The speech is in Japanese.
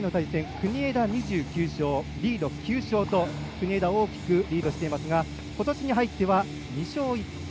国枝２９勝リード、９勝と国枝、大きくリードしていますがことしに入っては２勝１敗。